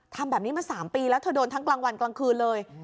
ทำแบบนี้มา๓ปีแล้วเธอโดนทั้งกลางวันกลางคืนเลย